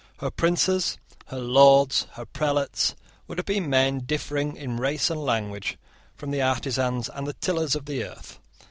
Her princes, her lords, her prelates, would have been men differing in race and language from the artisans and the tillers of the earth.